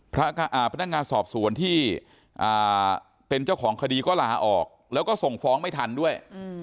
พนักงานสอบสวนที่เป็นเจ้าของคดีก็ลาออกแล้วก็ส่งฟ้องไม่ทันด้วย